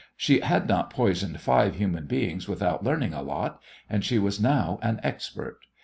She had not poisoned five human beings without learning a lot, and she was now an expert.